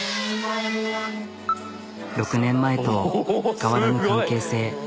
６年前と変わらぬ関係性。